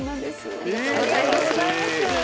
ありがとうございます。